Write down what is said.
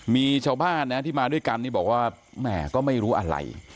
มีชาวบ้านนะที่มาด้วยกันนี่บอกว่าแหมก็ไม่รู้อะไร